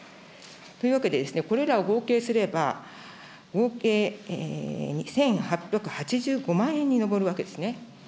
というわけで、これらを合計すれば、合計１８８５万円に上るわけですね。